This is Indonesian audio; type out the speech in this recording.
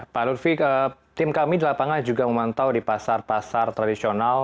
pak lutfi tim kami di lapangan juga memantau di pasar pasar tradisional